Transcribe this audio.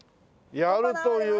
やるという。